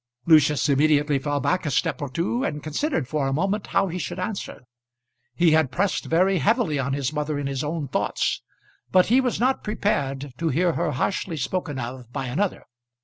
Lucius immediately fell back a step or two, and considered for a moment how he should answer. He had pressed very heavily on his mother in his own thoughts, but he was not prepared to hear her harshly spoken of by another.